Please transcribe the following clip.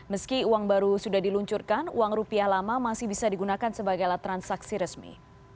meski uang baru sudah diluncurkan uang rupiah lama masih bisa digunakan sebagai alat transaksi resmi